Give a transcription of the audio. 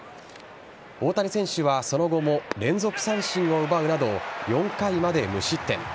大谷選手はその後も連続三振を奪うなど４回まで無失点。